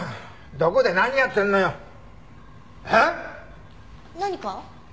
どこで何やってるのよ？えっ！？何か？